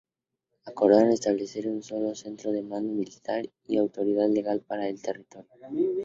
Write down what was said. Acordaron establecer un solo centro de mando militar y autoridad legal para el territorio.